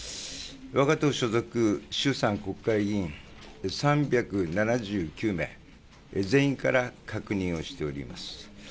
わが党所属、衆参国会議員３７９名、全員から確認をしております。